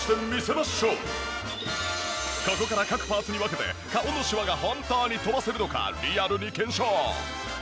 ここから各パーツに分けて顔のシワが本当に飛ばせるのかリアルに検証。